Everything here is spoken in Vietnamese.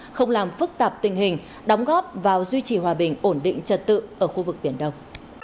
không làm phức tạp tình hình đóng góp vào duy trì hòa bình ổn định trật tự ở khu vực biển đông